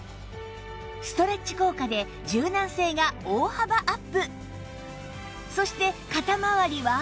ストレッチ効果で柔軟性が大幅アップそして肩まわりは？